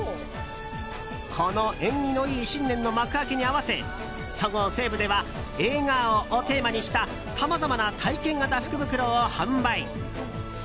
この縁起のいい新年の幕開けに合わせそごう・西武では笑顔をテーマにしたさまざまな体験型福袋を販売。